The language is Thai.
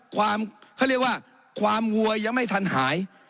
ความเขาเรียกว่าความวัวยังไม่ทันหาย